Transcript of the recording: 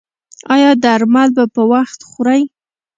ایا درمل به په وخت خورئ؟